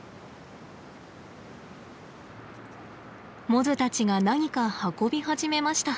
モズたちが何か運び始めました。